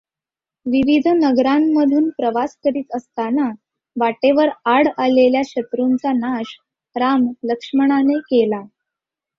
विविध नगरांमधून प्रवास करीत असताना वाटेवर आड आलेल्या शत्रूंचा नाश राम लक्ष्मणाने केला.